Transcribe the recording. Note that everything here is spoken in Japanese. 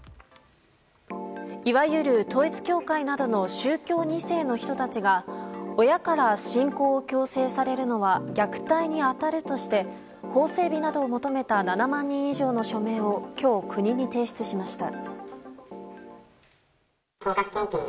いわゆる統一教会などの宗教２世の人たちが親から信仰を強制されるのは虐待に当たるとして法整備などを求めた７万人以上の署名を今日、国に提出しました。